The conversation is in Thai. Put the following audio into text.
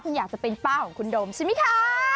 คุณอยากจะเป็นป้าของคุณโดมใช่ไหมคะ